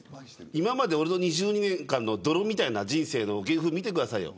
今までの俺の２２年間の泥みたいな人生の芸風見てくださいよ。